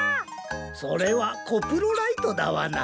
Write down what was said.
それはコプロライトダワナ。